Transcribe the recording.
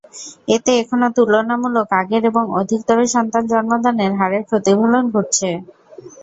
এতে এখনো তুলনামূলক আগের এবং অধিকতর সন্তান জন্মদানের হারের প্রতিফলন ঘটছে।